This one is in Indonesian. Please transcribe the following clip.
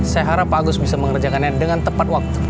saya harap pak agus bisa mengerjakannya dengan tepat waktu